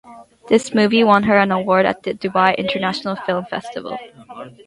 This movie won her an award at the Dubai International Film Festival.